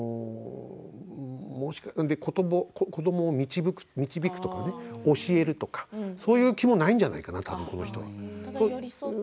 子どもを導くとかね教えるとかそういう気もないんじゃないかな、この人は。